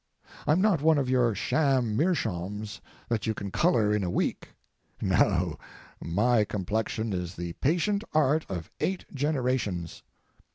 I'm not one of your sham meerschaums that you can color in a week. No, my complexion is the patient art of eight generations.